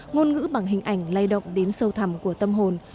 ngôn ngữ bằng hình ảnh lay động đến sâu thẳm của tâm hồn